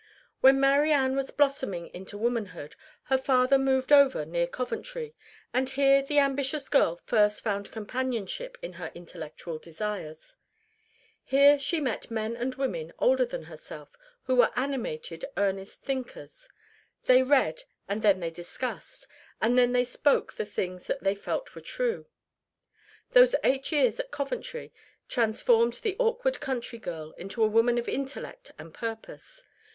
When Mary Ann was blossoming into womanhood her father moved over near Coventry, and here the ambitious girl first found companionship in her intellectual desires. Here she met men and women, older than herself, who were animated, earnest thinkers. They read and then they discussed, and then they spoke the things that they felt were true. Those eight years at Coventry transformed the awkward country girl into a woman of intellect and purpose.